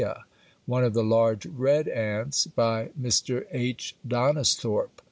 A, 1, 2, 3), one of the large red ants, by Mr. H. Donisthorpe.